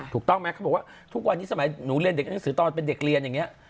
ถูกต้องไหมเขาบอกว่าทุกวันนี้สมัยหนูเรียนเด็กหนังสือตอนเป็นเด็กเรียนอย่างนี้